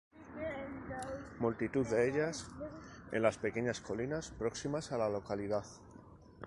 Multitud de ellas en las pequeñas colinas próximas a la localidad.